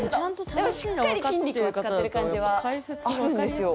でもしっかり筋肉を使ってる感じはあるんですよ。